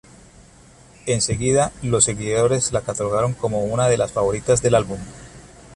En seguida, los seguidores la catalogaron como una de las favoritas del álbum.